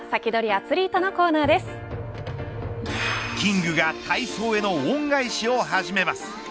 アツリートのキングが体操への恩返しを始めます。